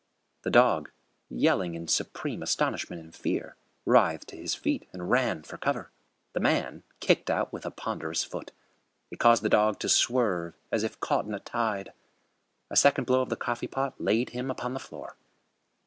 The dog, yelling in supreme astonishment and fear, writhed to his feet and ran for cover. The man kicked out with a ponderous foot. It caused the dog to swerve as if caught in a tide. A second blow of the coffee pot laid him upon the floor.